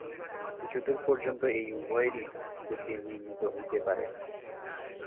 কিছুদূর পর্যন্ত এই উভয়েরই গতি নির্ণীত হইতে পারে।